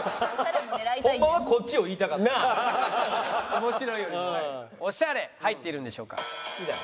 ホンマは「オシャレ」入っているんでしょうか？